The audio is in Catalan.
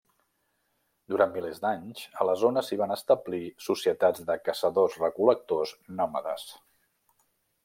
Durant milers d'anys a la zona s'hi van establir societats de caçadors-recol·lectors nòmades.